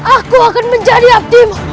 aku akan menjadi abdimu